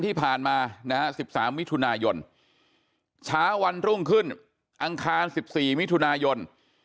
ที่ผ่านมานะฮะ๑๓มิถุนายนเช้าวันรุ่งขึ้นอังคาร๑๔มิถุนายน